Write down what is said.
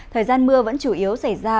thời gian mưa vẫn chủ yếu xảy ra